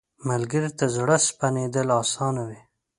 ملګری ته زړه سپینېدل اسانه وي